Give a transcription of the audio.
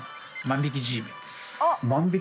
万引きＧメン？